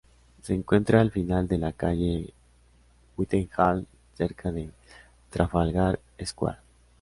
Se encuentra al final de la calle Whitehall cerca de Trafalgar Square.